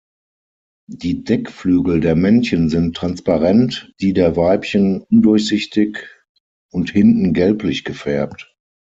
Die Deckflügel der Männchen sind transparent, die der Weibchen undurchsichtig und hinten gelblich gefärbt.